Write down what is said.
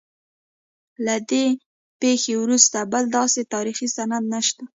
له دې پیښې وروسته بل داسې تاریخي سند نشته.